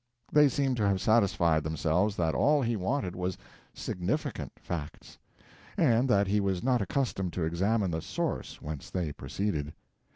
They seem to have satisfied themselves that all he wanted was "significant" facts, and that he was not accustomed to examine the source whence they proceeded.